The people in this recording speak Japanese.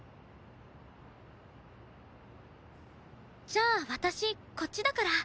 じゃあ私こっちだから。